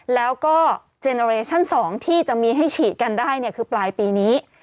แล้วก็เจนอเรชั่น๒ที่จะมีให้ฉีดกันได้คือปลายปีนี้